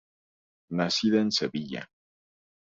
Nacida en Sevilla.